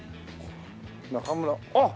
「中村」あっ！